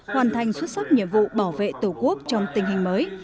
hoàn thành xuất sắc nhiệm vụ bảo vệ tổ quốc trong tình hình mới